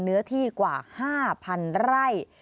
เนื้อที่กว่า๕๐๐๐ไร่